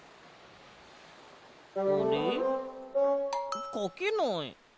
あれ？かけない。